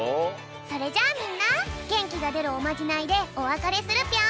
それじゃあみんなげんきがでるおまじないでおわかれするぴょん！